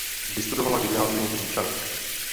Vystudovala gymnázium v Říčanech.